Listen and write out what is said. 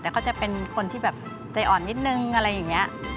แต่เขาจะเป็นคนที่แบบใจอ่อนนิดนึงอะไรอย่างนี้